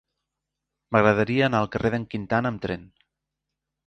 M'agradaria anar al carrer d'en Quintana amb tren.